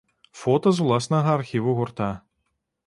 Фота з ўласнага архіву гурта.